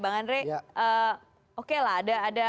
bang andre oke lah ada